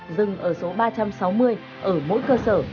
dừng ở số ba trăm sáu mươi ở mỗi cơ sở